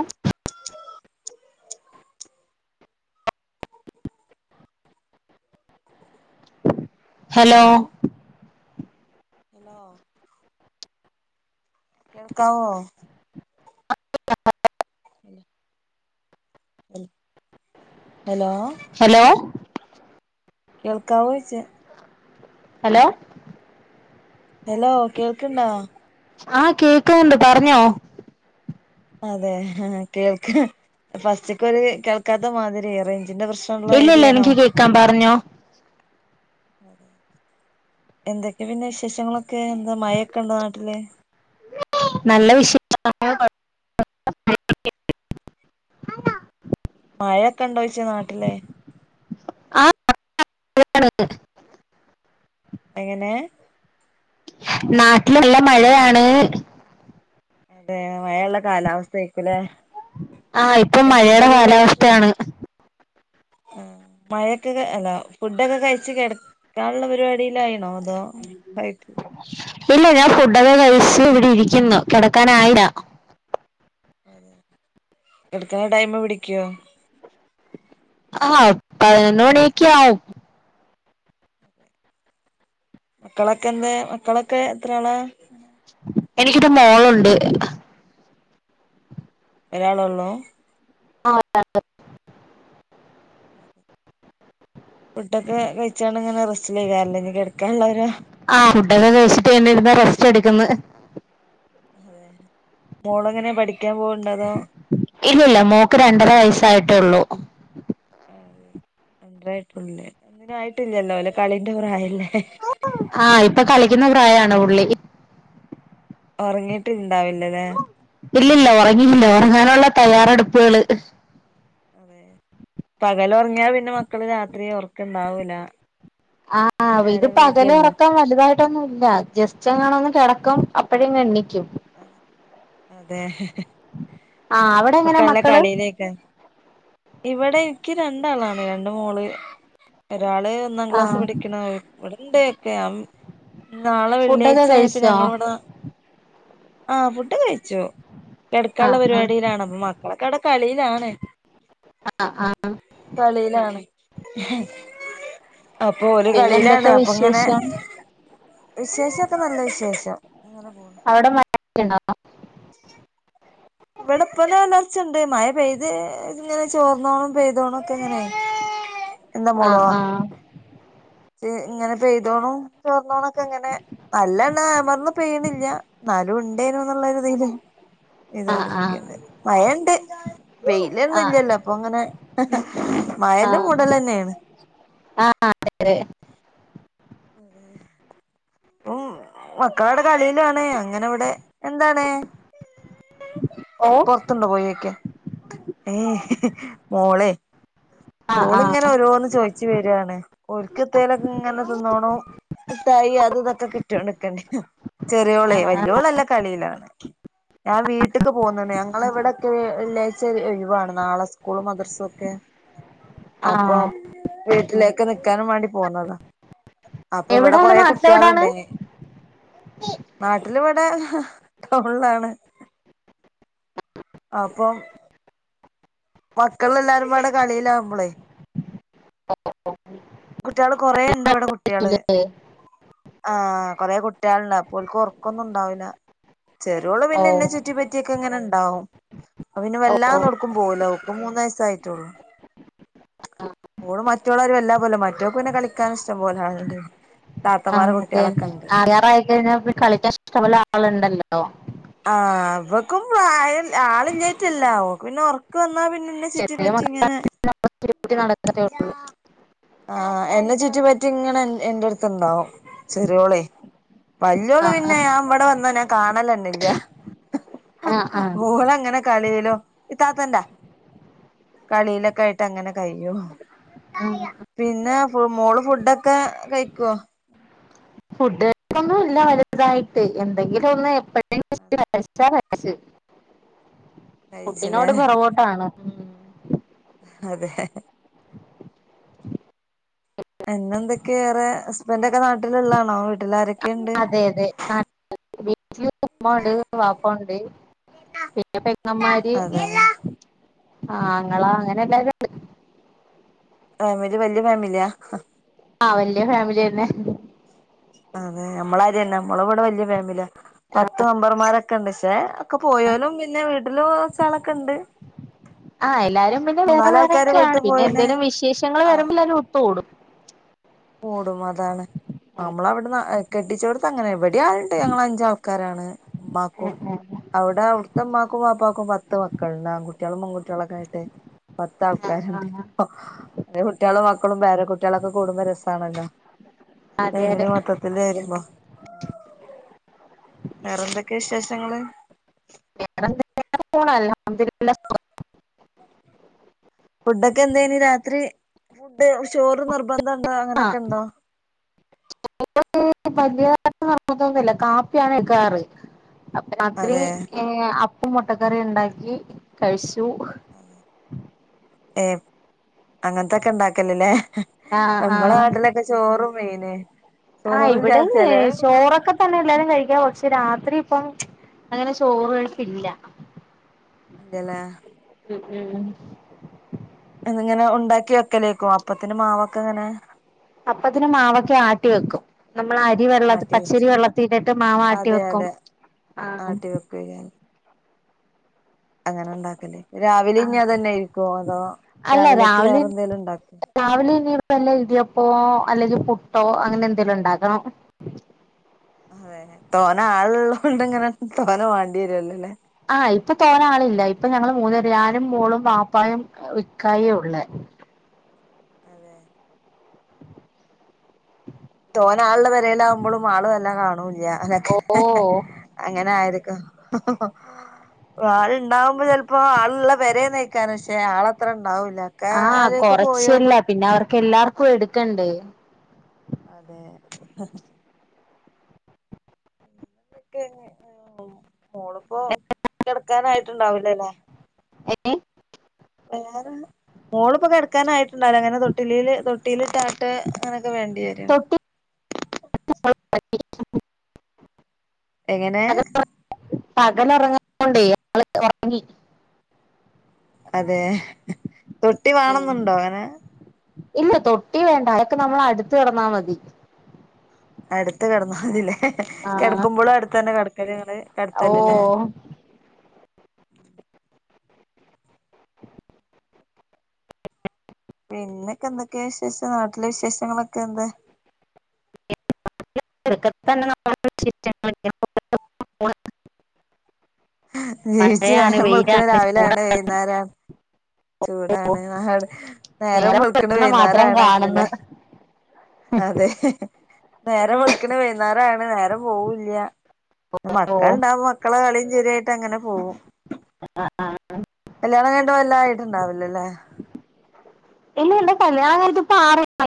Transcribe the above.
ഏഹ് hello hello കേൾക്കാവോ [inaudible] [inaudible] hello hello കേൾക്കാവോ ചോയിച്ചേ ഹലോ ഹലോ കേൾക്ക്‌ണ്ടോ ആ കേൾ ണ്ട് പറഞ്ഞോ അതെ ആ കേൾക്ക ഫസ്റ്റൊക്കൊരു കേൾക്കാത്തമാതിരി റേഞ്ചിന്റെ പ്രശ് ഇല്ലല്ല എനിക്ക് കേക്കാം പറഞ്ഞോ. [inaudible] എന്തെക്കെ പിന്നെ വിശേഷങ്ങളൊക്കെ എന്താ മഴെക്കണ്ടോ നാട്ടില്? നല്ല വിശേഷം [unintelligible] മഴക്കണ്ടോയിച്ച നാട്ടില്. ആ [unintelligible] എങ്ങെനേ? നാട്ടിലല്ല മഴയാണ് അതെയോ മഴള്ള കാലാവസ്ഥയിക്കൂല്ലേ. ആഹ് ഇപ്പം മഴേടെ കാലാവസ്ഥയാണ്. ആഹ് മഴയൊക്കെ അല്ല ഫുഡൊക്കെ കഴിച്ച് കെടക്കാനുള്ള പരിപാടിയിലായിണോ. അതോ കഴി ഇല്ല ഞാൻ ഫുഡൊക്കെ കഴിച്ച് ഇവിടെ ഇരിക്കുന്നു കെടക്കാനായില്ല. കെട്ക്ക്ണ ടൈമ് പിടിക്കോ ആഹ് പതിനൊന്ന്മണിയക്കെയാവും. മക്കളെക്കെന്തേ? മക്കളൊക്കെ എത്രാളാ? എനിക്കൊരു മോളുണ്ട് ഒരാളുള്ളൂ. ആഹ് [unintelligible] ഓക്കെ. ഫുഡൊക്കെ കയിച്ചാണ്ട്ങ്ങനെ റെസ്റ്റിലായ്ക്കാരലെ ഇഞ്ഞ് കെടക്കാള്ളൊരു ആഹ് ഫുഡൊക്കെ കഴിച്ചിട്ട് ഇങ്ങനിരുന്ന് റസ്റ്റെട്ക്ക്‌ന്ന്. അതെ മോളെങ്ങനെയാ പഠിക്കാൻ പോവ്ണ്ടോ? അതോ? ഇല്ലില്ല മോക്ക് രണ്ടര വയസ്സായിട്ടേള്ളൂ അതെ രണ്ടാരയിട്ടൊള്ളു ലെ ഒന്നിനു [unintelligible] ആയിട്ടില്ലല്ലോ അല്ലെ കളിന്റെ പ്രായല്ലേ ആഹ് ഇപ്പൊ കളിക്കുന്ന പ്രായാണ് പുള്ളി ഒറങ്ങിട്ട് ണ്ടാവില്ലല്ലേ ഇല്ലില്ല ഒറങ്ങിയില്ല ഒറങ്ങാനുള്ള തയ്യാറെടുപ്പുകള് അതെ പകലൊറങ്ങിയാ പിന്നെ മക്കള് രാത്രി ഒറക്കണ്ടാവൂല ആഹ് ഇത് നേരം പകല് വൈകുവല്ലോ ഒറക്കം വലുതായിട്ട് ട്ടൊന്നുല്ല ജസ്റ്റ് എങ്ങാണം ഒന്ന് കിടക്കും അപ്പഴേങ് എണീക്കും അത അതെ ആഹ് അവ ഇപ്പൊക്കെല്ല കളിലേക്കാരം ഇവിടെ ഇനിക്ക് രണ്ടാളാണ് രണ്ട് മോള് ഒരാള് ഒന്നാം ക്ലാസ് ആഹ് പഠിക്കണ ഇവിടെണ്ട് ഒക്കെ നാളെ ഫുഡൊക്കെ വെള്ളിയാഴ്ച ആയപ്പോ കഴിച്ചോ ഞങ്ങളിവിടെ ആഹ് ഫുഡ് ഒക്കെ കഴിച്ചു കിടക്കാന്ള്ള ആഹ് ആഹ് പരിപാടിലാണ് അപ്പൊ മക്കളൊക്കെ അവിടെ കളിയിലാണ് ആഹ് ആഹ് കളിലാണ് അപ്പൊ ഓല് പിന്നെ കളിലാണ് എന്തൊക്കെ അപ്പൊ ഇങ്ങനെ വിശേഷം വിശേഷോക്കെ നല്ല വിശേഷം ഇങ്ങനെ പോണ് അവിടെ [unintelligible] ഇവിടെ പ്പ നല്ല വെയിലർചിണ്ട് ഇവടെ ഇപ്പോയ കൊറച്ചിണ്ട് മഴ പെയ്ത് ഇങ്ങനെ ചോർന്നോണം പെയ്തോണ ഒക്കെ എങ്ങനെയായി [unintelligible] ആഹ് ആഹ് ഇങ്ങനെ പെയ്തോണോ ചോർന്നോണൊക്കെ ഇങ്ങനെ നല്ലണം അമർന്ന് പെയ്യണില്ല ന്നാലും ഇണ്ടെന്നു ന്നുള്ളരു ഇതില് ആഹ് ആഹ് ഇതൊണ്ടിരിക്കണ്ട് മയണ്ട് വെയിലൊന്നും ആഹ് ഇല്യല്ലോ അപ്പൊ ങ്ങനെ മയന്റെ ആഹ് മൂടലന്നെണ് ആഹ് അതെ അതെ അതെ ഉം മക്കളവിടെ കളിയിലാണ് അങ്ങനെ ഇവിടെ എന്താണ് ഓ പൊർതിണ്ട് പോയോക്ക്യ ഏഹ് മോളെ ആഹ് ആഹ് ഓളിങ്ങനെ ഓരോന്ന് ചോയിച്ച് വരാണ് ഓല്ക്ക് എത്തെലൊക്കെ ഇങ്ങനെ തിന്നോണം മുട്ടായി അത് ഇതൊക്കെ കിട്ടിയോണ്ടിക്കേണ്ടിയേരും ചെറിയോളേ ആഹ് ആഹ് വല്യോളല്ല കളിലാണ് ഞാൻ വീട്ടിക്ക് പോന്നിണ് ഞങ്ങള് ഇവിടെക്കെ വെള്ളിയാഴ്ച ഒഴിവാണ് നാളെ സ്കൂളും മദർസും ഒക്കെ അപ്പൊ ആഹ് വീട്ടിലേക്ക് നിക്കാനും വാണ്ടി പോന്നതാ അപ്പൊ ഇവിടെ എവിടാണ് കൊറെ നാട്ടിലെവിടാണ് കുട്ട്യാളുണ്ടെനി നാട്ടിലിവിടെ ടൗണിലാണ്. അപ്പം മക്കളെല്ലാരും പാടെ കളിലാവുമ്പളെ കുട്ട്യാള് കൊറേ ഇണ്ട് ഇവടെ കുട്ട്യാള് ആഹ് കൊറേ കുട്ട്യാളിണ്ട് അപ്പോ ഓല്ക്ക് ഒറക്കൊന്നുണ്ടാകില്ല ചെറിയോള് ഓ പിന്നെ ഇന്നെ ചുറ്റി പറ്റിയൊക്കെ ഇങ്ങനെ ഇണ്ടാവും അപ്പൊ പിന്നെ ഓ ഓ വല്ലാതൊന്നും എവ്ട്ക്കും പോകൂല ഇപ്പൊ മൂന്ന് വയസ് ആയിട്ടൊള്ളു ഓള് മറ്റോളെ മാരി വല്ലാതെ പോകുല മറ്റവക്ക് പിന്നെ കളിക്കാൻ ഇഷ്ടം പോലെ ആളിണ്ട് ആഹ് അതെന്നെ ആകാറായി കഴിഞ്ഞാൽ കളിക്കാൻ ഇഷ്ട്ടം പോലെ ആളുണ്ടല്ലോ ആഹ് അവക്കുംആയ ആളില്ലായിട്ടല്ല ഓൾക് പിന്നെ ഒറക്ക് വന്നാ പിന്നെ ന്നെ ചെറിയ ചുറ്റിപറ്റി മക്കളെ ഇങ്ങനെ പിടികൂട്ടി നടക്കത്തേ ഉള്ളൂ ന്താ ആ എന്നെ ചുറ്റി പറ്റി ഇങ്ങനെ എന്റെ അടുത്ത്ണ്ടാവും ചെറിയോളെ വല്ല്യോള് ആഹ് പിന്നെ ഞാൻ ഇബടെ വന്നാ ഞാൻ കാണലന്നെല്ല്യ ആഹ് ആഹ് ആഹ് ഓളങ്ങനെ കളിയിലു ഇത്താത്തന്റ, കളിയിലൊക്കായിട്ടങ്ങനെ കഴിയൂ ആഹ് പിന്നേ ഫു മോള് ഫുഡൊക്കെ കയിക്കോ ഫുഡ് കയിപ്പൊന്നിയില്ല വലുതായിട്ട് എന്തെങ്കിലൊന്ന് എപ്പഴങ്കിലും ഇച്ചിരി കയിച്ചാ [unintelligible] [unintelligible] കഴിച്ചില്ലേ ഫുഡിനോട് പെറകോട്ടാണ് മ്മ് അതെ എന്നെന്തക്കെയാ ഏറെ ഹസ്ബൻഡക്കെ നാട്ടില്ള്ളാണോ വീട്ടിലാര അതെയതെ [unintelligible] വീട്ടില് ഉമ്മണ്ട് വാപ്പണ്ട് പിന്നെ പെങ്ങമ്മാര് അതെ ആങ്ങളാ അങ്ങനെല്ലാരുണ്ട്. ആ ഇവര് വല്യ ഫാമിലിയാ. ആ വല്യ ഫാമിലിന്നെ. അതെ നമ്മളാരന്നെ നമ്മളിവിടെ വല്യ ഫാമില ആഹ് പത്ത് മെമ്പർമാര ക്കണ്ട് പക്ഷെ ഒക്കെ പോയാലും പിന്നെ വീട്ടിലും കൊറച്ചാളക്കെണ്ട്. ആ എല്ലാരും പിന്നെ ആൾക്കാര് വേറേവേറെക്കെയാണ് വീട്ടിൽ പോയിണ് പിന്നെന്തേലും വിശേഷങ്ങൾ വരുമ്പോ എല്ലാരും ഒത്തുകൂടും കൂടും അതാണ് നമ്മളവിടുന്ന് കെട്ടിച്ചോടു അങ്ങനെ ഇവിടെ ആളുണ്ട് ഞങ്ങള് അഞ്ചാൾക്കാരാണ് ഇമ്മാക്കും ആഹ് ആഹ് അവിടെ അവിടത്തുമ്മാക്കും വാപ്പക്കും പത്ത് മക്കള്ണ്ട് ആൺകുട്ടിയാളും പെൺകുട്ടിയാളക്കായിട്ടെ പത്ത് ആൾക്കാര്ണ്ട് ആഹ് ൻ്റെ കുട്ടിയാളും മക്കളും പേരകുട്ടിയാളും ഒക്കെ കൂടുമ്പോ രസ ആണല്ലോ അതെ അതെ എങ്കിലും മൊത്തത്തില് വരുമമ്പൊ വേറെന്തോക്കെ വിശേഷങ്ങള് വേറെന്തക്കെയ പോണ് അല്ഹംത്ലില്ലാ ഫുഡൊക്കെ എന്തേയ്നി രാത്രി ഫുഡ് ചോറ് നിർബന്ധ ഇണ്ടോ അങ്ങനെക്കെണ്ടോ ചോറ് വലിയതായിട്ട് നിർബന്ധ ഒന്നില്ല കാപ്പിയാണെക്കാറ് അപ്പ രാത്രി അതെ ഏ അപ്പും മൊട്ടക്കറി ഇണ്ടാക്കി കഴിച്ചു. ഏ അങ്ങനത്തക്കെയിണ്ടാക്കലല്ലേ. ആഹ് നമ്മള ആഹ് നാട്ടിലക്കെ ചോറും മീന്. ആ ഇവിടെ ചോറില്ലാതെ ചെലവൊന്നും ചോറൊക്കെ തന്നെ എല്ലാരും കഴിക്കാ പക്ഷേ രാത്രി ഇപ്പം അങ്ങനെ ചോറു കഴിപ്പില്ല ഇല്ലലേ മ്മ് മ്മ് ഇന്നിങ്ങനെ ഉണ്ടാക്കി വെക്കെലേക്കും അപ്പത്തിന്റെ മാവൊക്കെ ഇങ്ങനെ അപ്പത്തിന്ന് മാവൊക്കെ ആട്ടി വെക്കും നമ്മള് അ രി വെള്ളത്തി ആട്ടി വെച്ച് പച്ചരി വെള്ളത്തിട്ടിട്ട് മാവ് ആട്ടി അതെ വെക്കും അതെ ആഹ് [unintelligible] അങ്ങനെ ഉണ്ടാക്കല് രാവിലെ ഇനി അത് തന്നെയായിരിക്കുവോ അതോ അല്ല രാവിലേക്ക് രാവിലെ വേറെന്തേലും ഇണ്ടാക്കുവോ രാവിലെ ഇനിപ്പല്ല ഇടിയപ്പോ അല്ലെങ്കി പുട്ടോ അങ്ങനെന്തെലും ഉണ്ടാക്കണം. അതെ തോനാളുള്ളോണ്ട് ഇങ്ങനെ തോന വാണ്ട്യേരൊല്ലൊല്ലെ. ആ ഇപ്പ തോനാളില്ല ഇപ്പ ഞങ്ങള് മൂന്നേരും ഞാനും മോളും വാപ്പായും ഇക്കായൊള്ളെ. അതെ തോന് ആളുള്ള പേരയിലാമ്പോളും ആളും എല്ലാം കാണൂല്ല ഓഹ് [unintelligible] അങ്ങനെ ആയിരിക്കും ആളുണ്ടാവുമ്പോ ചെലപ്പോ ആളുള്ള പേരെ നിക്കാരുന്നു പക്ഷേ ആളത്ര ഇണ്ടാവൂല്ല ഒക്കെ ആ ആരേക്ക് കൊറച്ചല്ല പോയോലും പിന്നെ അവർക്കെല്ലാർക്കും എടുക്കെണ്ടേ. അതെ അതൊക്കെ മോളിപ്പോ കെടക്കാനായിട്ടുണ്ടാവില്ലല്ലേ ഏഹ് വേറെ മോളിപ്പോ കെടക്കാനായിട്ടുണ്ടാല അങ്ങനെ തൊട്ടിലീല് തൊട്ടിലിട്ട ട്ട് അങ്ങനൊക്കെ വേണ്ടി വരും തൊട്ടി എങ്ങനെ [unintelligible] പകല് ഒറങ്ങാത്തോണ്ടേ ആള് ഒറങ്ങി അതെ തൊട്ടി വാണന്നുണ്ടോ അങ്ങനെ ഇല്ല തൊട്ടി വേണ്ട അതെക്കെ നമ്മൾ അട്ത്ത് കെടന്നാ മതി അട്ത്ത് കെട്ന്നാ മതില്ലേ ആഹ് കെട്ക്കുമ്പളും അട്ത്തെന്നെ കെട്ക്കല് ങ്ങള് കെട്ത്തല് ലെ ഓഹ് പിന്നെക്കെ എന്തെക്കെ വിശേഷം നാട്ടിലെ വിശേഷങ്ങളൊക്കെ എന്ത? [unintelligible] നീച്ച് മഴയാണ് നേരം വെള്ക്ക്‌ണ് വെയിലാണ് രാവിലെ ആവ്ണ് ചൂടാണ് വൈന്നേരം ചൂടാണ് നാട് നേരം വെള്ക്ണ് വെളുക്കണ മാത്രം വൈന്നേരാവ്ണ് കാണുന്ന് അങ്ങനെന്നെ അതെ നേരം വെള്ക്ക്‌ണ് വൈന്നേരാക്ണ് നേരം പോവൂല്ല്യാ ഓഹ് മക്കളുണ്ടാവുമ്പം മക്കളെ കളീം ചിരിയായിട്ടങ്ങനെ പോവും ആഹ് ആഹ് കല്യാണം കയ്ഞ്ട്ട് വല്ലായിട്ടുണ്ടാവില്ലല്ലേ ഇല്ല എന്റെ കല്ലിയാണം കയ്ഞ്ഞിട്ട് ഇപ്പ ആറ്